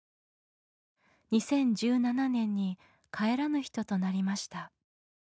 ２０１７年に帰らぬ人となりました。